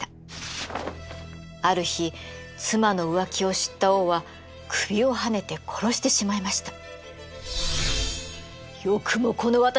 ある日妻の浮気を知った王は首をはねて殺してしまいました。